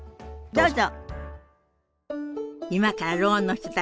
どうぞ。